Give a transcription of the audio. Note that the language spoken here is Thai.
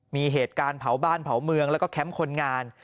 มีเหตุการณ์เผาบ้านเผาเมืองแล้วก็แคมป์คนงาน